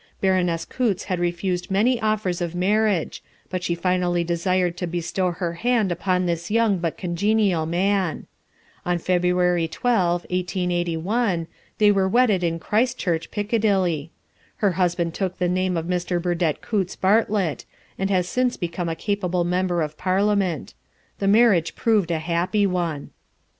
Baroness Coutts had refused many offers of marriage, but she finally desired to bestow her hand upon this young but congenial man. On February 12, 1881, they were wedded in Christ Church, Piccadilly. Her husband took the name of Mr. Burdett Coutts Bartlett, and has since become a capable member of Parliament. The marriage proved a happy one.